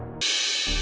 nanti aku bisa tidur